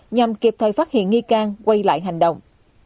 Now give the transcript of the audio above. nhằm kịp thời phát hiện nghi can quay lại hành động